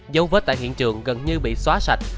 dấu vết tại hiện trường gần như bị xóa sạch